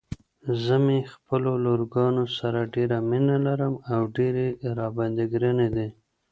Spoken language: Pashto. زه مې خپلو لورګانو سره ډيره مينه لرم او ډيرې راباندې ګرانې دي.